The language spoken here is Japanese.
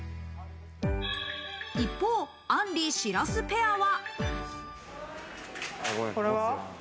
一方、あんり・白洲ペアは。